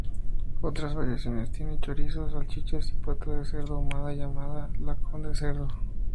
Otras variaciones tienen chorizo, salchichas y pata de cerdo ahumada llamada lacón de cerdo.